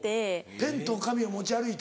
ペンと紙を持ち歩いて？